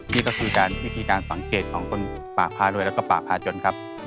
นี่ก็คือการวิธีการสังเกตของคนป่าพารวยแล้วก็ป่าพาจนครับ